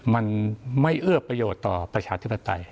มันไม่เอื้อประโยชน์ต่อประชาธิปไตย